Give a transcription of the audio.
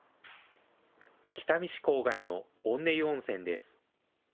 北見市郊外の温根湯温泉です。